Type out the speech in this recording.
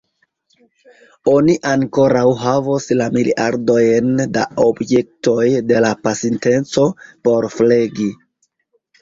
Oni ankoraŭ havos la miliardojn da objektoj de la pasinteco por flegi.